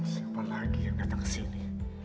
siapa lagi yang datang ke sini